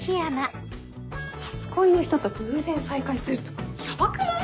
初恋の人と偶然再会するとかヤバくない？